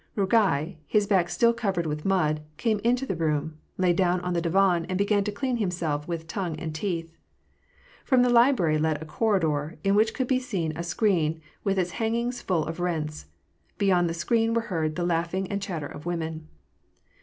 Rugai, his back still covered with mud, came into the room, lay down on the divan, and began to clean himself with tongue and teeth. From the library led a corridor, in which could be seen a screen with its hangings full of rents; beyond the screen were heard the laughing and chatter of women.